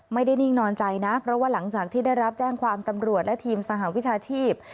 นิ่งนอนใจนะเพราะว่าหลังจากที่ได้รับแจ้งความตำรวจและทีมสหวิชาชีพ